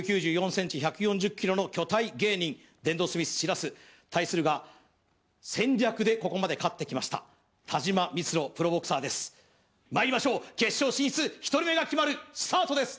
１９４ｃｍ１４０ｋｇの巨体芸人電動スミスしらす対するが戦略でここまで勝ってきました但馬ミツロプロボクサーですまいりましょう決勝進出１人目が決まるスタートです